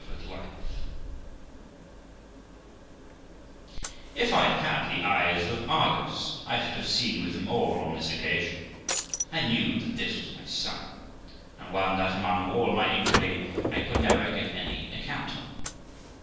398 THE LIFE OF ROXANA If I had had the eyes of Argus I should have seen with them all on this occasion. I knew that this was my son, and one that, among all my inquiry, I could never get any account of.